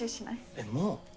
えっもう？